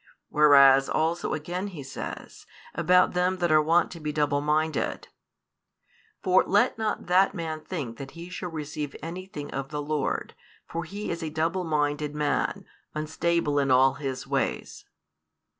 Wherefore also again he says, about them that are wont to be double minded: For let not that man think that he shall receive anything of the Lord; for [he is] a double minded man, unstable in all his ways.